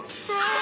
あ！